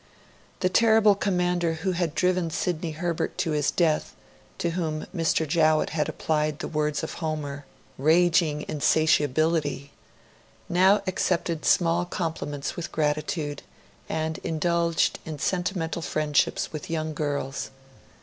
The terrible commander who had driven Sidney Herbert to his death, to whom Mr. Jowett had applied the words of Homer, amoton memaniia raging insatiably now accepted small compliments with gratitude, and indulged in sentimental friendships with young girls.